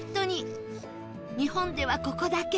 日本ではここだけ